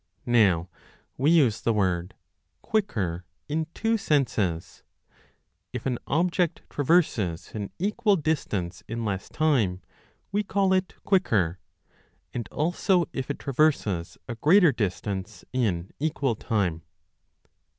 Now we use the word quicker in two senses ; if an object traverses an equal distance in less time, we call it quicker, and also if it traverses a greater distance in equal time.